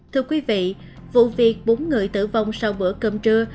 thưa quý vị vụ việc bốn người tử vong sau bữa cơm trưa